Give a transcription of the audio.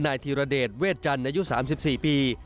ธีรเดชเวชจันทร์อายุ๓๔ปี